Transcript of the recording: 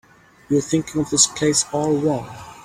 You're thinking of this place all wrong.